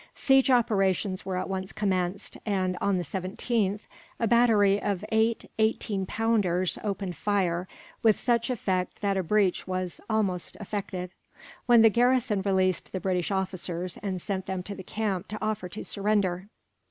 Siege operations were at once commenced and, on the 17th, a battery of eight eighteen pounders opened fire, with such effect that a breach was almost effected; when the garrison released the British officers, and sent them to the camp to offer to surrender.